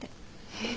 えっ。